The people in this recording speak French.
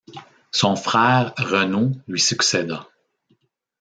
Son frère Renaud lui succéda.